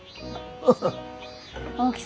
ハハハハ！